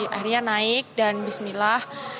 akhirnya naik dan bismillah